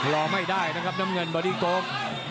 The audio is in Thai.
รอไม่ได้นะครับน้ำเงินบอดี้โก๊ก